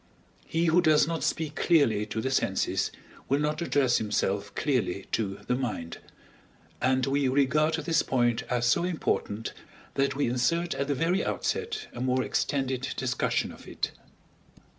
He who does not speak clearly to the senses, will not address himself clearly to the mind; and we regard this point as so important that we insert at the very outset a more extended discussion of it.